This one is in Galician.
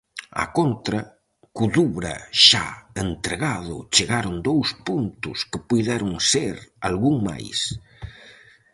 Á contra, co Dubra xa entregado, chegaron dous puntos, que puideron ser algún máis.